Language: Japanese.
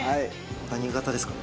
何型ですか？